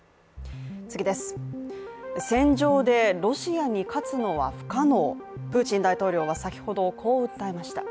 戦場でロシアに勝つのは不可能、プーチン大統領は先ほど、こう訴えました。